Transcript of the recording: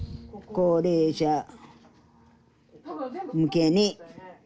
「高齢者向けに」